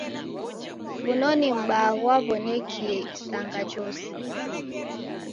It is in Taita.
W'unoni m'baa ghwaw'onekie isanga jose.